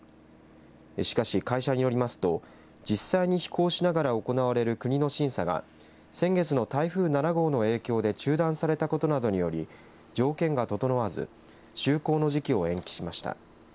しかし、会社によりますと実際に飛行しながら行われる国の審査が先月の台風７号の影響で中断されたことなどにより条件が整わず就航の時期を延期しました。